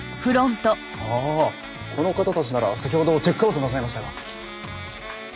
ああこの方たちなら先ほどチェックアウトなさいましたが。